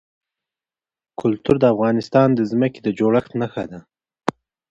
کلتور د افغانستان د ځمکې د جوړښت نښه ده.